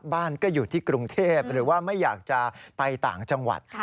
บ้านก็อยู่ที่กรุงเทพหรือว่าไม่อยากจะไปต่างจังหวัด